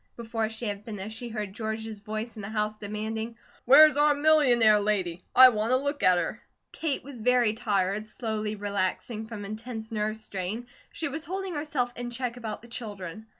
Before she had finished, she heard George's voice in the house demanding: "Where's our millionaire lady? I want a look at her." Kate was very tired, slowly relaxing from intense nerve strain, she was holding herself in check about the children.